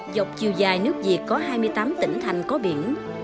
dọc chiều dài nước việt có hai mươi tám tỉnh thành có biển